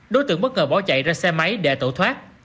đối tượng bất ngờ bỏ chạy ra xe máy để tẩu thoát